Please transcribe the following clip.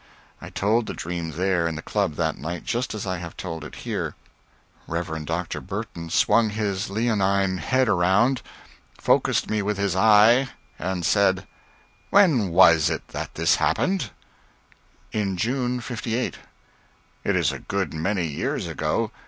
I told the dream there in the Club that night just as I have told it here. Rev. Dr. Burton swung his leonine head around, focussed me with his eye, and said: "When was it that this happened?" "In June, '58." "It is a good many years ago.